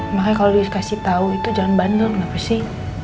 makanya kalau dikasih tau itu jangan bandel kenapa sih